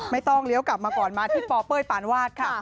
ไม่ต้องเลี้ยวกลับมาก่อนมาที่ปเป้ยปานวาดค่ะ